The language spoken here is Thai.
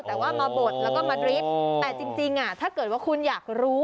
แต่ว่ามาบดแล้วก็มาดริฟท์แต่จริงถ้าเกิดว่าคุณอยากรู้